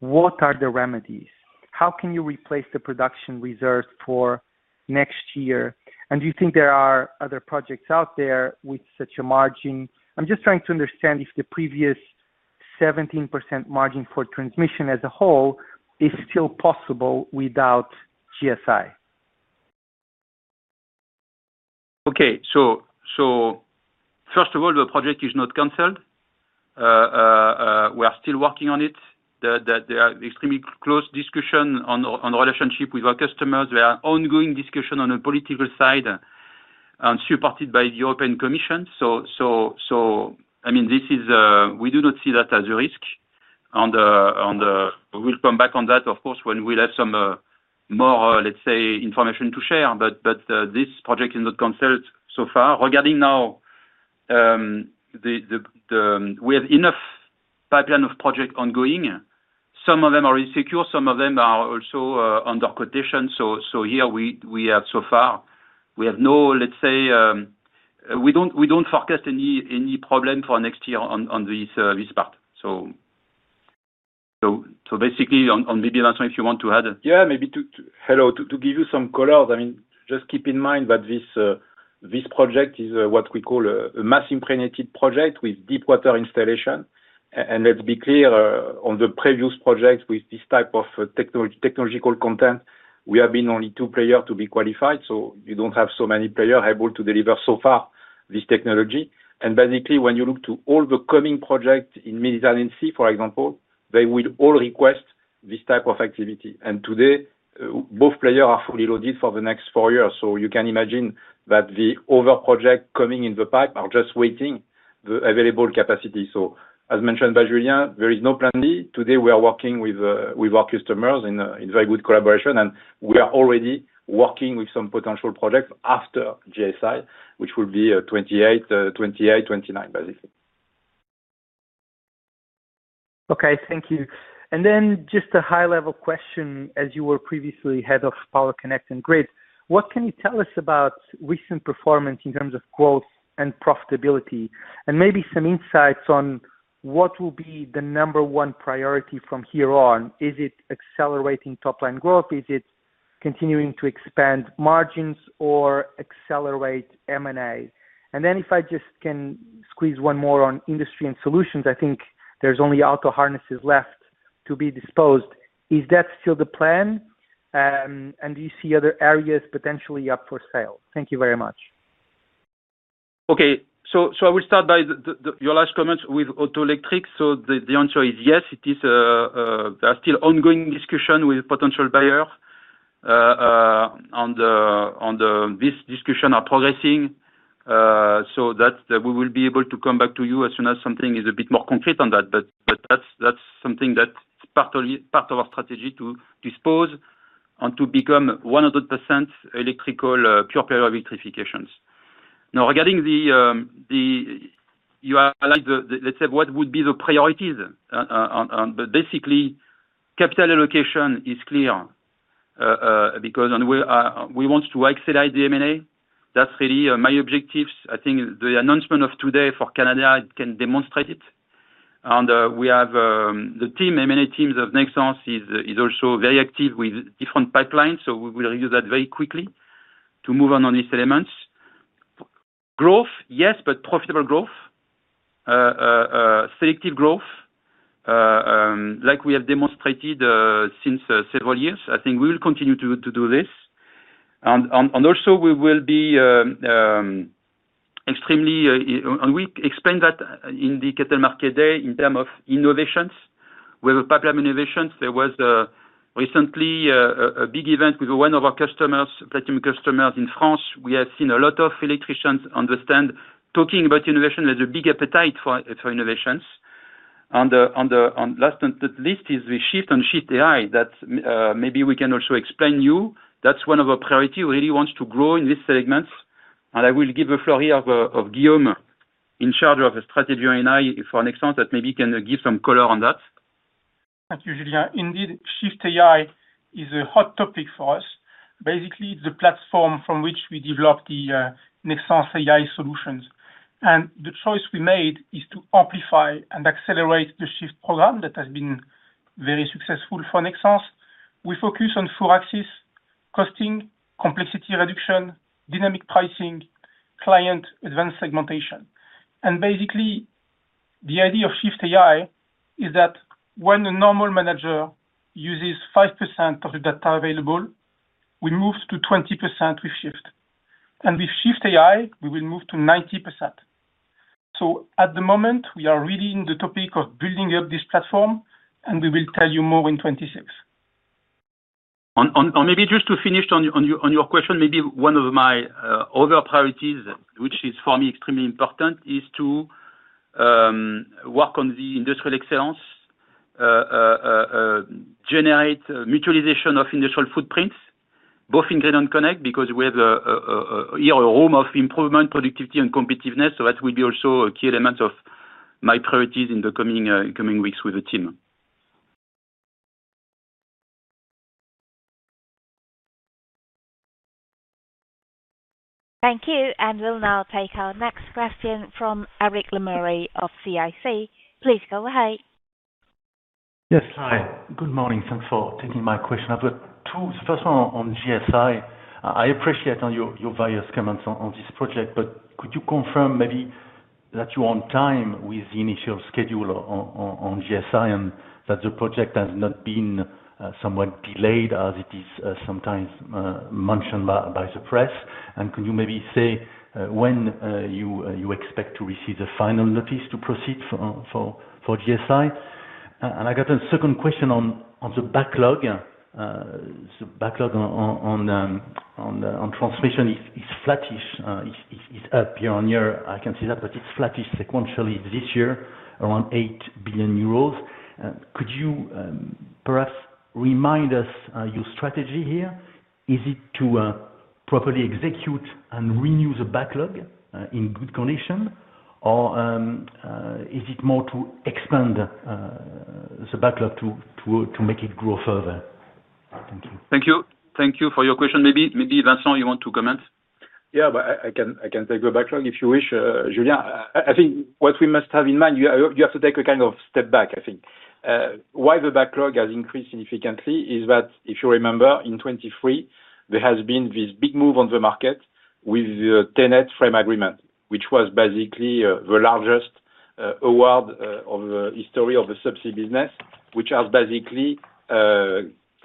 what are the remedies? How can you replace the production reserves for next year? Do you think there are other projects out there with such a margin? I'm just trying to understand if the previous 17% margin for transmission as a whole is still possible without GSI. Okay. First of all, the project is not canceled. We are still working on it. There are extremely close discussions on the relationship with our customers. There are ongoing discussions on the political side and supported by the European Commission. I mean, we do not see that as a risk. We'll come back on that, of course, when we'll have some more, let's say, information to share. This project is not canceled so far. Regarding now, we have enough pipeline of projects ongoing. Some of them are really secure. Some of them are also under quotation. Here, we have so far, we have no, let's say, we don't forecast any problem for next year on this part. Basically, maybe Vincent, if you want to add. Yeah, maybe to give you some colors. I mean, just keep in mind that this project is what we call a mass-imprinted project with deep water installation. Let's be clear, on the previous projects with this type of technological content, we have been only two players to be qualified. You don't have so many players able to deliver so far this technology. Basically, when you look to all the coming projects in the Mediterranean Sea, for example, they will all request this type of activity. Today, both players are fully loaded for the next four years. You can imagine that the other projects coming in the pipe are just waiting for the available capacity. As mentioned by Julien, there is no plan B. Today, we are working with our customers in very good collaboration. We are already working with some potential projects after GSI, which will be 2028, 2029, basically. Okay. Thank you. Just a high-level question. As you were previously Head of Power, Connect, and Grid, what can you tell us about recent performance in terms of growth and profitability? Maybe some insights on what will be the number one priority from here on? Is it accelerating top-line growth, continuing to expand margins, or accelerate M&A? If I just can squeeze one more on Industry and Solutions, I think there's only auto harnesses left to be disposed. Is that still the plan? Do you see other areas potentially up for sale? Thank you very much. Okay. I will start by your last comments with Auto Electric. The answer is yes. There are still ongoing discussions with potential buyers, and these discussions are progressing. We will be able to come back to you as soon as something is a bit more concrete on that. That's something that is part of our strategy to dispose and to become 100% electrical pure-player electrifications. Now, regarding the, let's say, what would be the priorities, basically, capital allocation is clear because we want to accelerate the M&A. That's really my objectives. I think the announcement of today for Canada, it can demonstrate it. We have the M&A teams of Nexans also very active with different pipelines. We will review that very quickly to move on these elements. Growth, yes, but profitable growth, selective growth, like we have demonstrated since several years. I think we will continue to do this. Also, we will be extremely, and we explained that in the Capital Markets Day in terms of innovations. We have a pipeline innovations. There was recently a big event with one of our customers, Platinum customers in France. We have seen a lot of electricians on the stand talking about innovation. There's a big appetite for innovations. Last but not least is the shift on Shift AI that maybe we can also explain to you. That's one of our priorities. We really want to grow in this segment. I will give the floor here to Guillaume in charge of strategy and AI for Nexans that maybe can give some color on that. Thank you, Julien. Indeed, Shift AI is a hot topic for us. Basically, it's the platform from which we develop the Nexans AI solutions. The choice we made is to amplify and accelerate the Shift Program that has been very successful for Nexans. We focus on four axes: costing, complexity reduction, dynamic pricing, client advanced segmentation. The idea of Shift AI is that when a normal manager uses 5% of the data available, we move to 20% with Shift. With Shift AI, we will move to 90%. At the moment, we are really in the topic of building up this platform, and we will tell you more in 2026. To finish on your question, maybe one of my other priorities, which is for me extremely important, is to work on the industrial excellence, generate mutualization of industrial footprints, both in grid and connect, because we have here a room of improvement, productivity, and competitiveness. That will be also a key element of my priorities in the coming weeks with the team. Thank you. We'll now take our next question from Eric LeMury of CIC. Please go ahead. Yes. Hi. Good morning. Thanks for taking my question. I've got two. The first one on GSI. I appreciate your various comments on this project, but could you confirm maybe that you're on time with the initial schedule on GSI and that the project has not been somewhat delayed as it is sometimes mentioned by the press? Could you maybe say when you expect to receive the final notice to proceed for GSI? I got a second question on the backlog. The backlog on transmission is flatish. It's up year on year. I can see that, but it's flatish sequentially this year, around 8 billion euros. Could you perhaps remind us your strategy here? Is it to properly execute and renew the backlog in good condition, or is it more to expand the backlog to make it grow further? Thank you. Thank you. Thank you for your question. Maybe, Vincent, you want to comment? Yeah, but I can take the backlog if you wish, Julien. I think what we must have in mind, you have to take a kind of step back, I think. Why the backlog has increased significantly is that, if you remember, in 2023, there has been this big move on the market with the TenneT Frame Agreement, which was basically the largest award in the history of the subsea business, which has basically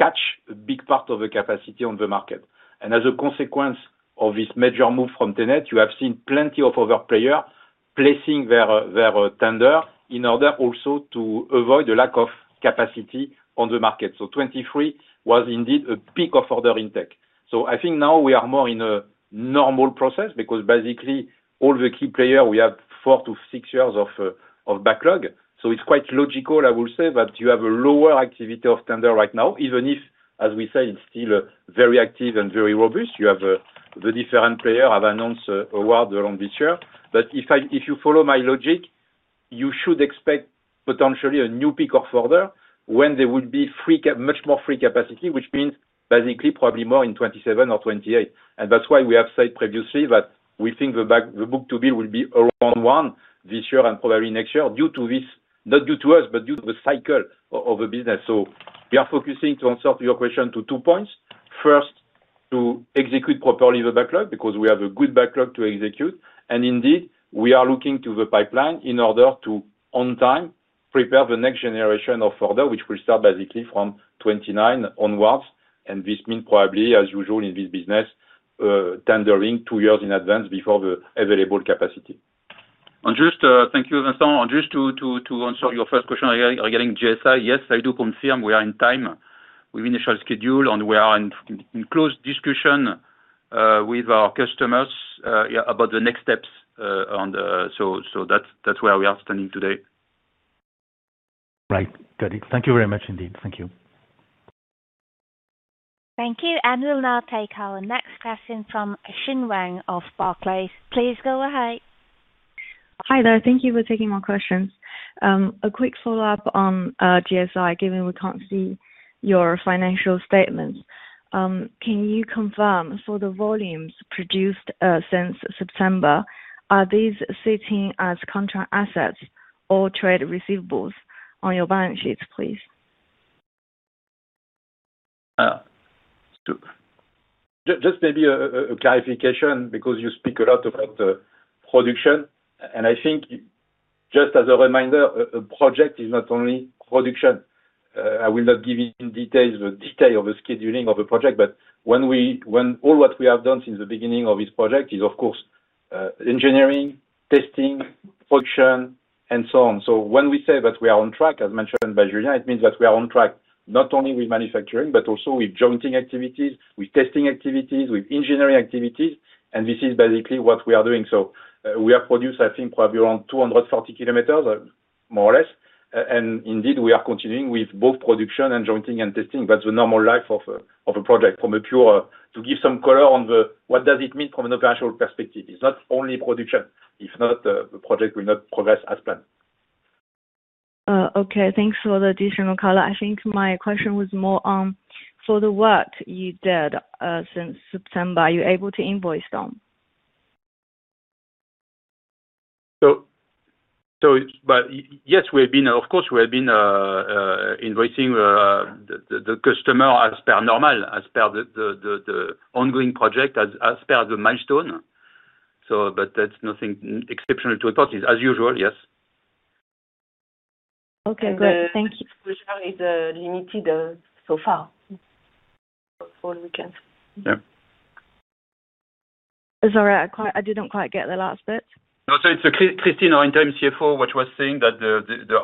cached a big part of the capacity on the market. As a consequence of this major move from TenneT, you have seen plenty of other players placing their tender in order also to avoid the lack of capacity on the market. 2023 was indeed a peak of order intake. I think now we are more in a normal process because basically, all the key players, we have four to six years of backlog. It's quite logical, I will say, that you have a lower activity of tender right now, even if, as we said, it's still very active and very robust. The different players have announced awards around this year. If you follow my logic, you should expect potentially a new peak of order when there will be much more free capacity, which means basically probably more in 2027 or 2028. That's why we have said previously that we think the book-to-bill will be around one this year and probably next year due to this, not due to us, but due to the cycle of the business. We are focusing, to answer to your question, to two points. First, to execute properly the backlog because we have a good backlog to execute. Indeed, we are looking to the pipeline in order to, on time, prepare the next generation of order, which will start basically from 2029 onwards. This means probably, as usual in this business, tendering two years in advance before the available capacity. Thank you, Vincent. To answer your first question regarding the GSI Project, yes, I do confirm we are in time with the initial schedule, and we are in close discussion with our customers about the next steps. That's where we are standing today. Right. Thank you very much, indeed. Thank you. Thank you. We'll now take our next question from Xin Wang of Barclays. Please go ahead. Hi there. Thank you for taking my questions. A quick follow-up on the GSI Project, given we can't see your financial statements. Can you confirm for the volumes produced since September, are these sitting as contract assets or trade receivables on your balance sheets, please? Just maybe a clarification because you speak a lot about production. I think just as a reminder, a project is not only production. I will not give in details the detail of the scheduling of the project, but all what we have done since the beginning of this project is, of course, engineering, testing, production, and so on. When we say that we are on track, as mentioned by Julien, it means that we are on track not only with manufacturing, but also with jointing activities, with testing activities, with engineering activities. This is basically what we are doing. We have produced, I think, probably around 240 kilometers, more or less. Indeed, we are continuing with both production and jointing and testing. That's the normal life of a project, to give some color on what does it mean from an operational perspective. It's not only production. If not, the project will not progress as planned. Okay. Thanks for the additional color. I think my question was more on for the work you did since September. Are you able to invoice them? Yes, we have been invoicing the customer as per normal, as per the ongoing project, as per the milestone. There's nothing exceptional to report. It's as usual, yes. Okay. Great. Thank you. Exposure is limited so far. All we can. Yeah. Is that right? I didn't quite get the last bit. No, it's Christine, our Interim CFO, which was saying that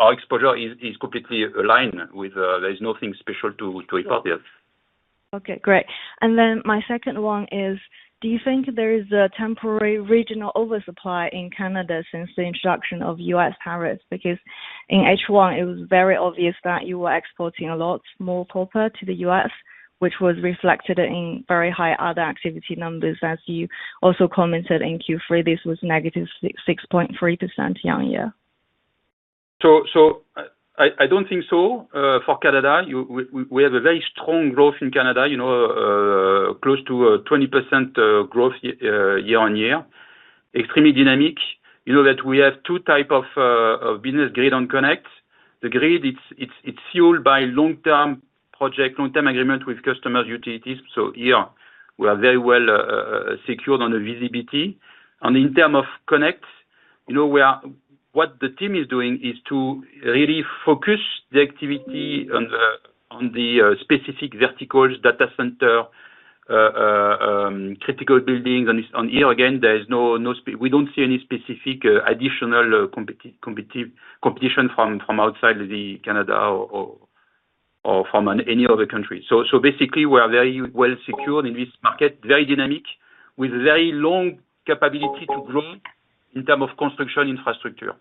our exposure is completely aligned with theirs. There's nothing special to report, yes. Great. My second one is, do you think there is a temporary regional oversupply in Canada since the introduction of U.S. tariffs? In H1, it was very obvious that you were exporting a lot more copper to the U.S., which was reflected in very high other activity numbers. As you also commented in Q3, this was negative 6.3% year on year. I don't think so. For Canada, we have a very strong growth in Canada, you know, close to 20% growth year on year, extremely dynamic. You know that we have two types of business: grid and connect. The grid, it's fueled by long-term projects, long-term agreements with customers, utilities. Here, we are very well secured on the visibility. In terms of connect, you know, what the team is doing is to really focus the activity on the specific verticals, data centers, critical buildings. Here again, we don't see any specific additional competition from outside Canada or from any other country. We are very well secured in this market, very dynamic, with very long capability to grow in terms of construction infrastructure.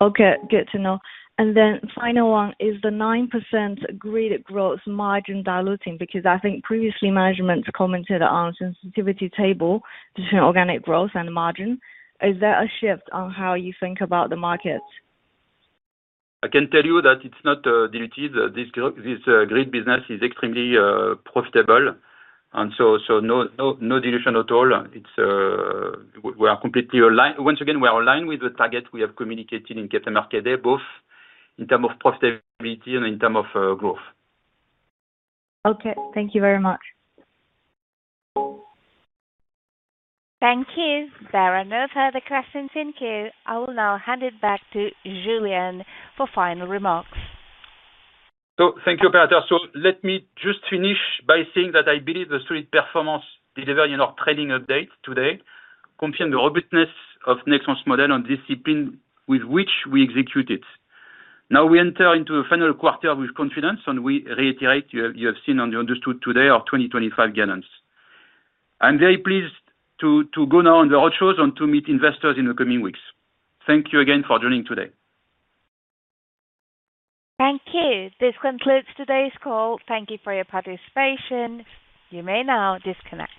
Okay. Good to know. The final one is the 9% grid growth margin diluting because I think previously management commented on the sensitivity table between organic growth and margin. Is there a shift on how you think about the market? I can tell you that it's not diluted. This grid business is extremely profitable, so no dilution at all. We are completely aligned. Once again, we are aligned with the target we have communicated in Capital Markets Day, both in terms of profitability and in terms of growth. Okay, thank you very much. Thank you. There are no further questions in queue. I will now hand it back to Julien for final remarks. Thank you, operator. Let me just finish by saying that I believe the solid performance delivered in our training update today confirms the robustness of Nexans' model and the discipline with which we execute it. Now we enter into the final quarter with confidence, and we reiterate, you have seen and you understood today, our 2025 guidance. I'm very pleased to go now on the roadshows and to meet investors in the coming weeks. Thank you again for joining today. Thank you. This concludes today's call. Thank you for your participation. You may now disconnect.